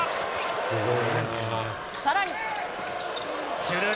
さらに。